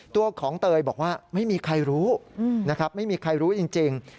ตัวของเตยบอกว่าไม่มีใครรู้นะครับไม่มีใครรู้จริง